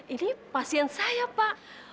ini pasien saya pak